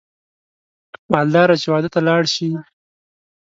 مالداره چې واده ته لاړ شي